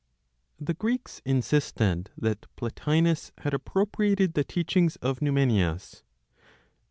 The Greeks insisted that Plotinos had appropriated the teachings of Numenius.